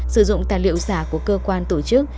sử dụng tài liệu giả của cơ quan tổ chức